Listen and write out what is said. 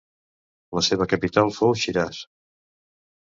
La seva capital fou Shiraz.